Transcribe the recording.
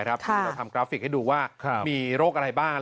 ที่เราทำกราฟิกให้ดูว่ามีโรคอะไรบ้าง